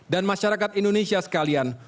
dan masyarakat indonesia sekalian